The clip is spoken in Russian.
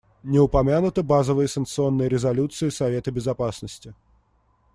Не упомянуты базовые санкционные резолюции Совета Безопасности.